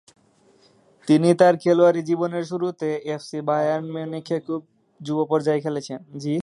তিনি তার খেলোয়াড়ি জীবনের শুরুতে এফসি বায়ার্ন মিউনিখের যুব পর্যায়ে খেলেছেন।